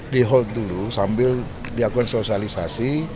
di hold dulu sambil dilakukan sosialisasi